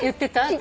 私。